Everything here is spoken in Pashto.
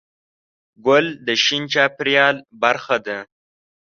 ګل د شین چاپېریال برخه ده.